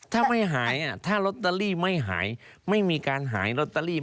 ถ้าไม่หายถ้าลอตเตอรี่ไม่หายไม่มีการหายลอตเตอรี่